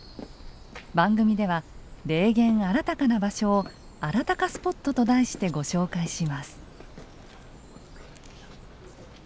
番組では霊験あらたかな場所を「あらたかスポット」と題してご紹介します。